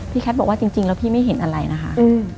แคทบอกว่าจริงแล้วพี่ไม่เห็นอะไรนะคะ